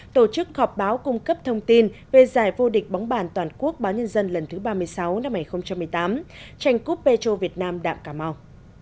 tổ chức họp báo cung cấp thông tin về giải vô địch bóng bàn toàn quốc báo nhân dân lần thứ ba mươi sáu năm hai nghìn một mươi tám tranh cúp petro việt nam đạm cà mau